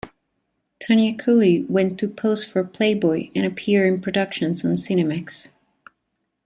Tonya Cooley went to pose for "Playboy" and appear in productions on Cinemax.